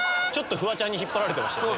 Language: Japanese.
⁉フワちゃんに引っ張られて。